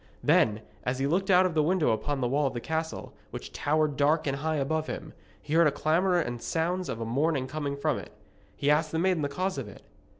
Then, as he looked out of the window upon the wall of the castle, which towered dark and high above him, he heard a clamour and sounds of a mourning coming from it. He asked the maiden the cause of it.